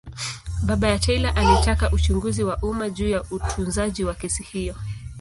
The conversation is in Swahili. Baba ya Taylor alitaka uchunguzi wa umma juu ya utunzaji wa kesi hiyo.